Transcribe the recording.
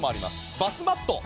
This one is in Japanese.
バスマット。